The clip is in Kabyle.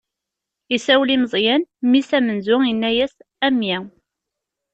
Isawel i Meẓyan, mmi-s amenzu, inna-yas: A mmi!